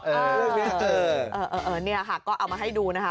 อันนี้ค่ะก็เอามาให้ดูนะคะ